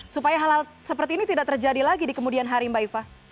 supaya hal hal seperti ini tidak terjadi lagi di kemudian hari mbak iva